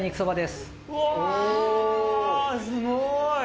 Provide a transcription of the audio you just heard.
すごい。